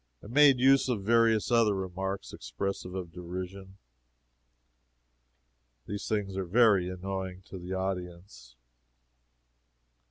and made use of various other remarks expressive of derision. These things are very annoying to the audience.